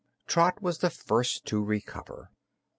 Trot was the first to recover.